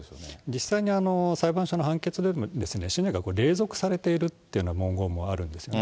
実際に裁判所の判決でも、が隷属されているという文言もあるんですね。